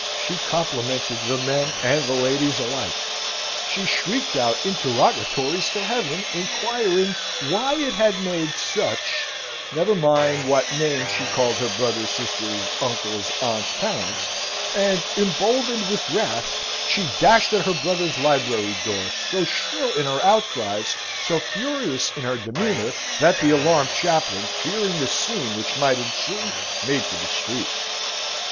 She complimented the men and the ladies alike; she shrieked out interrogatories to Heaven, inquiring why it had made such (never mind what names she called her brothers, sisters, uncles, aunts, parents); and, emboldened with wrath, she dashed at her brother's library door, so shrill in her outcries, so furious in her demeanour, that the alarmed chaplain, fearing the scene which might ensue, made for the street.